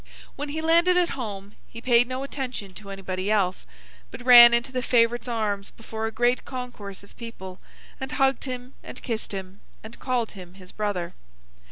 When he landed at home, he paid no attention to anybody else, but ran into the favourite's arms before a great concourse of people, and hugged him, and kissed him, and called him his brother.